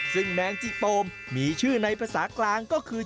ซึ่งแมงจิโปมมีชื่อในภาษากลางก็คือ